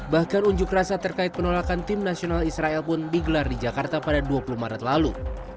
bahkan unjuk rasa terkait penolakan tim nasional israel pun digelar di jakarta pada dua puluh maret lalu